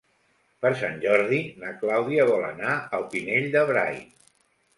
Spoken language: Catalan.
Per Sant Jordi na Clàudia vol anar al Pinell de Brai.